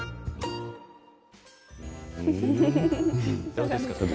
どうですか？